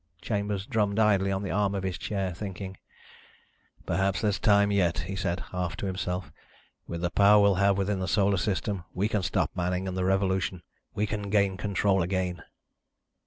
Chambers drummed idly on the arm of his chair, thinking. "Perhaps there's time yet," he said, half to himself. "With the power we'll have within the Solar System, we can stop Manning and the revolution. We can gain control again."